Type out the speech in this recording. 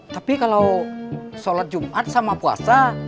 tapi kalau sholat jumat sama puasa